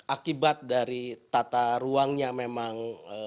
akibat dari tata ruangnya memang